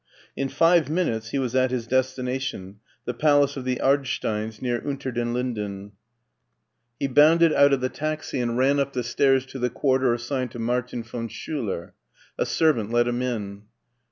In five minutes he was at his destination, the palace of the Ardsteins, near Unter den Linden. He bounded 19$ 196 MARTIN SCHIJLER out of the taxi and ran up the stairs to the quarter as signed to Martin von Schiiler. A servant let him in.